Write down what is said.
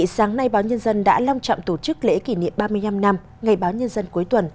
sáng nay báo nhân dân đã long trọng tổ chức lễ kỷ niệm ba mươi năm năm ngày báo nhân dân cuối tuần